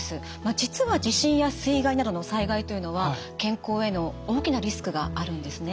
実は地震や水害などの災害というのは健康への大きなリスクがあるんですね。